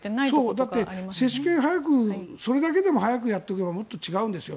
だって、接種券それだけでも早くやっておけばもっと違うんですよ。